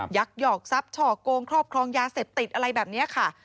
ยักษ์หยอกซับฉ่อโกงครอบครองยาเสพติดอะไรแบบนี้ค่ะ